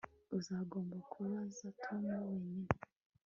Uzagomba kubaza Tom wenyine